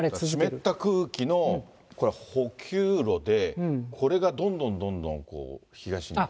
湿った空気の補給路で、これがどんどんどんどん東に行くと。